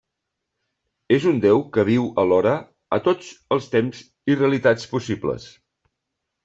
És un déu que viu alhora a tots els temps i realitats possibles.